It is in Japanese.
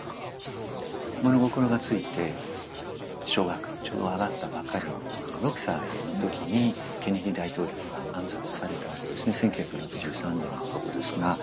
物心が付いて小学校にちょうど上がったばかりの６歳の時にケネディ大統領が暗殺されたわけですね１９６３年のことですが。